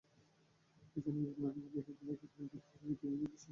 পরে জানা গেছে, নানা জটিলতা পেরিয়ে গতকাল বিকেলেই পেয়ে গেছেন ইংল্যান্ডের ভিসা।